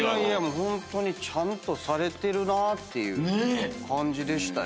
ホントにちゃんとされてるなぁっていう感じでしたよ。